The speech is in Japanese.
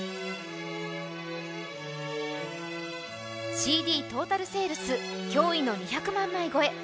ＣＤトータルセールス、驚異の２００万枚超え。